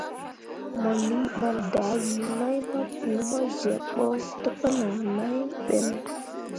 Mo lii ɓal dahwii mai papou mo zyeb ɓo təpənah mai ɓe ne?